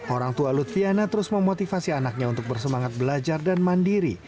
orang tua lutfiana terus memotivasi anaknya untuk bersemangat belajar dan mandiri